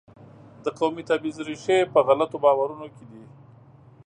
د قومي تبعیض ریښې په غلطو باورونو کې دي.